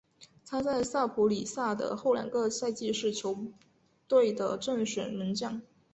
他在萨普里萨的后两个赛季是球队的正选门将。